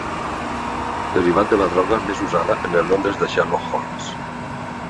Derivat de la droga més usada en el Londres de Sherlock Holmes.